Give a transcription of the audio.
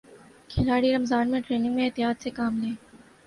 کھلاڑی رمضان میں ٹریننگ میں احتیاط سے کام لیں